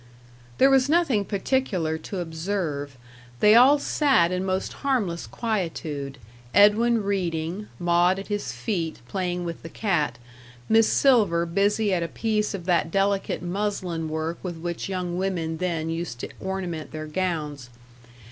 There was nothing particular to observe. They all sat in most harmless quietude, Edwin reading, Maud at his feet, playing with the cat, Miss Silver busy at a piece of that delicate muslin work with which young women then used to ornament their gowns.